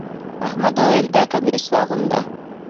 احمد وويل: دا کميس واغونده.